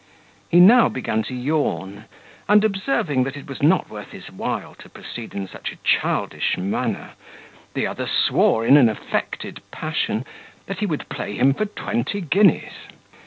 He now began to yawn; and observing, that it was not worth his while to proceed in such a childish manner; the other swore, in an affected passion, that he would play him for twenty guineas.